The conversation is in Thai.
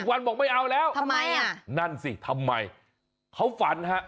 วันบอกไม่เอาแล้วทำไมอ่ะนั่นสิทำไมเขาฝันฮะ